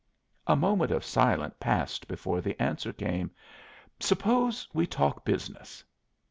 A moment of silence passed before the answer came: "Suppose we talk business?"